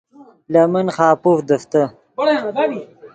لے من خاپوف دیفتے